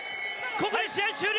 ここで試合終了！